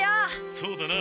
そうだな。